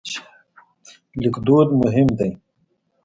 لیکدود مهم دی.